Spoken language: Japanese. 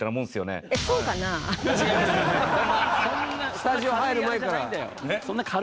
スタジオ入る前から。